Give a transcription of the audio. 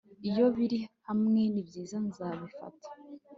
Iyo biri hamwe nibyiza nzabifata